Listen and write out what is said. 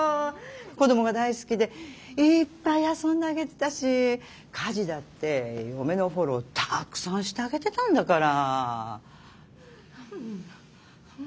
子供が大好きでいっぱい遊んであげてたし家事だって嫁のフォローたくさんしてあげてたんだから。